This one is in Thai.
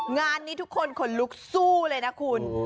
งานนี้ทุกคนขนลุกสู้เลยนะคุณ